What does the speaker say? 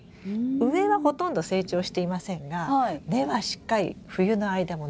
上はほとんど成長していませんが根はしっかり冬の間も伸びているんですよ。